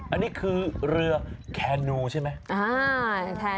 อันนี้คือเรือแคนูใช่ไหม